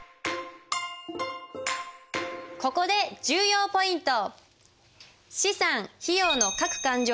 ここで重要ポイント！